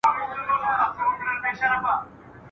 چي شرنګوي په خپله مېنه کي پردۍ زولنې !.